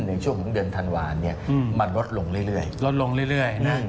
ในช่วงของเดือนธันวาลเนี่ยมันลดลงเรื่อยลดลงเรื่อยนะ